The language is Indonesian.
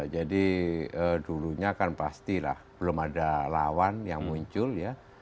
jadi dulunya kan pastilah belum ada lawan yang muncul ya